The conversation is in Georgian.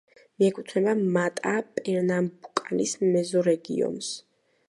მიეკუთვნება მატა-პერნამბუკანის მეზორეგიონს.